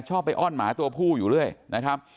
ชอบไปอ้อนหมาตัวผู้อยู่เรื่อยนะครับ